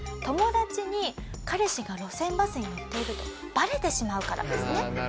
友達に彼氏が路線バスに乗っているとバレてしまうからですね。